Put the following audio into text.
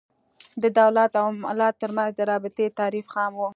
د دولت او ملت تر منځ د رابطې تعریف خام و.